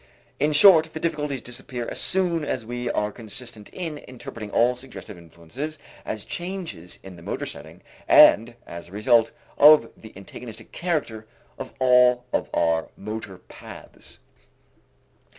In short the difficulties disappear as soon as we are consistent in interpreting all suggestive influences as changes in the motor setting and as the result of the antagonistic character of all of our motor paths.